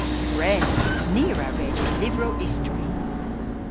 Gwren. Ni a wra redya lyvrow istori.